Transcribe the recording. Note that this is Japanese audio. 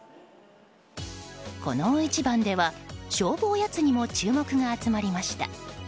この大一番では勝負おやつにも注目が集まりました。